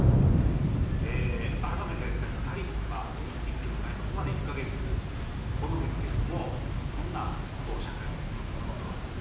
改めて、サリーさんはオリンピックの開幕まで１か月ほどですがどんなことを社会に望みますか？